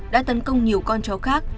đã tấn công nhiều con chó khác